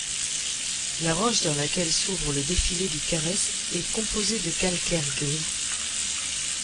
La roche dans laquelle s'ouvre le défilé du Cares est composée de calcaire gris.